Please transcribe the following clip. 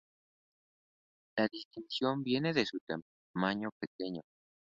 La distinción viene de su tamaño pequeño.